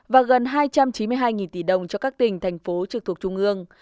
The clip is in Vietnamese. và gần hai trăm chín mươi hai tỷ đồng cho các tỉnh thành phố trực thuộc trung ương